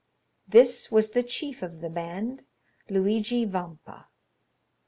This was the chief of the band, Luigi Vampa.